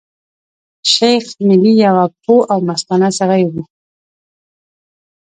شېخ ملي يو پوه او مستانه سړی وو.